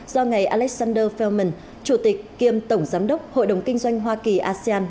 do ngài alexander feldman chủ tịch kiêm tổng giám đốc hội đồng kinh doanh hoa kỳ asean